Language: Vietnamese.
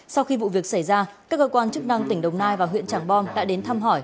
sau khi vụ việc xảy ra các cơ quan chức năng tỉnh đồng nai và huyện trảng bom đã đến thăm hỏi